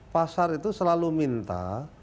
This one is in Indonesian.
pasar itu selalu minta